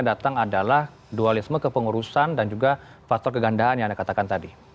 yang datang adalah dualisme kepengurusan dan juga faktor kegandaan yang anda katakan tadi